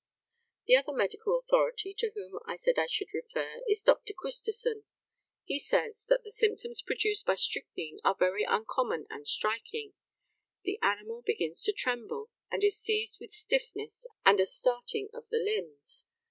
The other medical authority to whom I said I should refer is Dr. Christison. He says that the symptoms produced by strychnine are very uncommon and striking the animal begins to tremble, and is seized with stiffness and a starting of the limbs.